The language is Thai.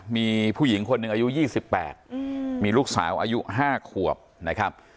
มีผู้หญิงคนหนึ่งอายุยี่สิบแปดอืมมีลูกสาวอายุห้าขวบนะครับ